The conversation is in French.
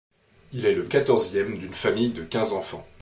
Il est le quatorzième d'une famille de quinze enfants.